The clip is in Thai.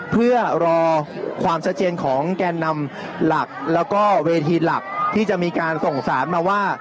เพื่อรอความชัดเจนของแกนนำหลักแล้วก็เวทีหลักที่จะมีการส่งสารมาว่า